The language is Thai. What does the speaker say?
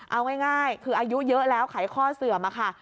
เอาง่ายคืออายุเยอะแล้วไขข้อเสื่อมค่ะ